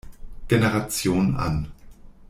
Generation an.